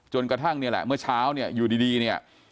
กระทั่งเนี่ยแหละเมื่อเช้าเนี่ยอยู่ดีเนี่ย